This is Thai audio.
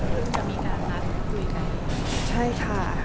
เมื่อวานพี่โมไงมีการนัดคุยกัน